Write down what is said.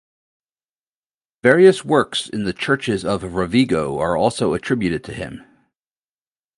Various works in the churches of Rovigo are also attributed to him